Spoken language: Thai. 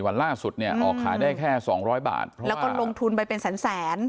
๔วันล่าสุดเนี่ยออกขายได้แค่๒๐๐บาทแล้วก็ลงทุนไปเป็นแสน